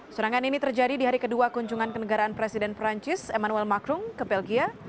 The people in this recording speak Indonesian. serangan ini terjadi di hari kedua kunjungan ke negaraan presiden perancis emmanuel macrum ke belgia